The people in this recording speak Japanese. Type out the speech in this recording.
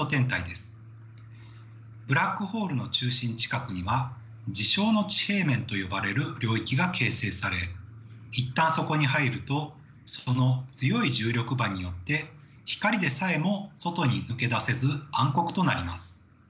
ブラックホールの中心近くには事象の地平面と呼ばれる領域が形成され一旦そこに入るとその強い重力場によって光でさえも外に抜け出せず暗黒となります。